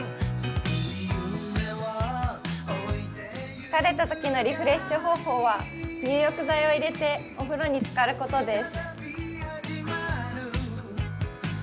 疲れたときのリフレッシュ方法は入浴剤を入れてお風呂につかることです。